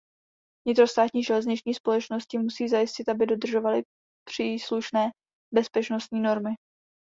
Vnitrostátní železniční společnosti musí zajistit, aby dodržovaly příslušné bezpečnostní normy.